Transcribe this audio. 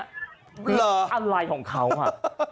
อะไรของเขาอ่ะ